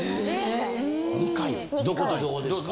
どことどこですか？